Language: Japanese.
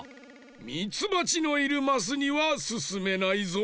ミツバチのいるマスにはすすめないぞ。